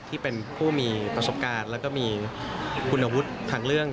ที่เป็นผู้มีประสบการณ์แล้วก็มีคุณวุฒิทางเรื่อง